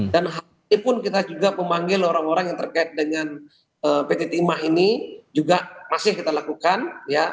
dan hatipun kita juga memanggil orang orang yang terkait dengan pt timah ini juga masih kita lakukan ya